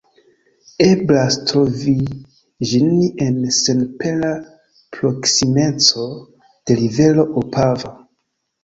Eblas trovi ĝin en senpera proksimeco de rivero Opava.